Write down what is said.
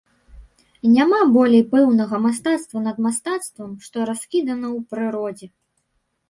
Няма болей пэўнага мастацтва над мастацтвам, што раскідана ў прыродзе.